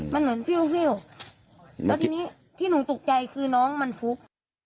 มันเหมือนฟิวแล้วทีนี้ที่หนูตกใจคือน้องมันฟุบ